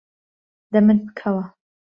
دەمت بکەوە.